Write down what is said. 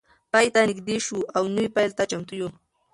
پای ته نږدې شو او نوی پیل ته چمتو یو.